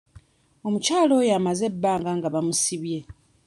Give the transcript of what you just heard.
Omukyala oyo amaze ebbanga nga bamusibye.